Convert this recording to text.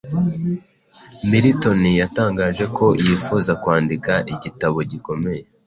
Milton yatangaje ko yifuza kwandika igitabo gikomeye